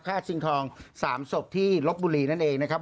ชิงทอง๓ศพที่ลบบุรีนั่นเองนะครับ